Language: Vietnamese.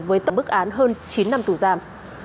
với tổng bức án hơn chín năm tù giam